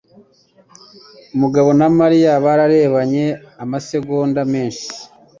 Mugabo na Mariya bararebanye amasegonda menshi.